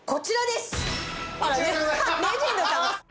あらレジェンドさん。